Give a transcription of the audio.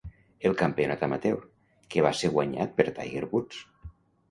El Campionat Amateur, que va ser guanyat per Tiger Woods.